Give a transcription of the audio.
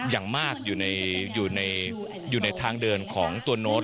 อย่างมากอยู่ในทางเดินของตัวโน้ต